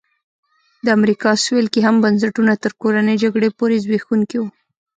د امریکا سوېل کې هم بنسټونه تر کورنۍ جګړې پورې زبېښونکي وو.